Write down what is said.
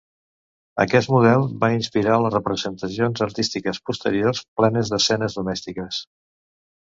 Aquest model va inspirar les representacions artístiques posteriors, plenes d'escenes domèstiques.